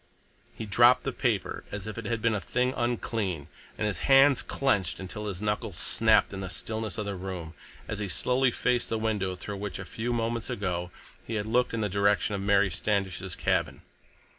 He dropped the paper as if it had been a thing unclean, and his hands clenched until his knuckles snapped in the stillness of the room, as he slowly faced the window through which a few moments ago he had looked in the direction of Mary Standish's cabin.